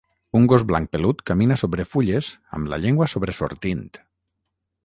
Un gos blanc pelut camina sobre fulles amb la llengua sobresortint.